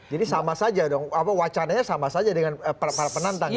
jadi sama saja dong apa wacananya sama saja dengan para penantang gitu